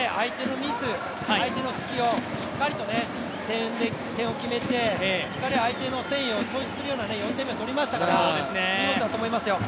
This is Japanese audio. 相手の隙を、しっかりと点を決めて、しっかり相手の戦意を喪失するような４点目を取りましたから見事だと思いますよ